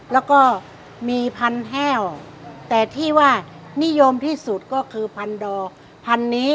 แล้วก็มีพันแห้วแต่ที่ว่านิยมที่สุดก็คือพันดอกพันนี้